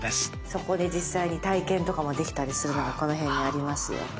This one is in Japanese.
そこで実際に体験とかもできたりするのがこの辺にありますよ。